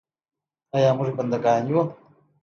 آیا موږ بنده ګان یو؟